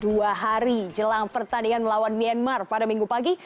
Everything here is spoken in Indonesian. dua hari jelang pertandingan melawan myanmar pada minggu pagi